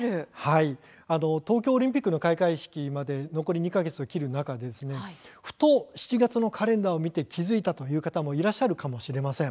東京オリンピックの開会式まで残り２か月を切る中でふと７月のカレンダーを見て気付いたという方もいらっしゃるかもしれません。